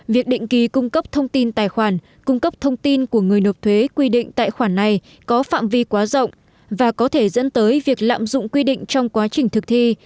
việc định kỳ cung cấp thông tin tài khoản cung cấp thông tin của người nộp thuế quy định tại khoản này có phạm vi quá rộng và có thể dẫn tới việc lạm dụng quy định trong quá trình thực thi